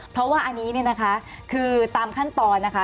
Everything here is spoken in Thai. เพราะว่าอันนี้เนี่ยนะคะคือตามขั้นตอนนะคะ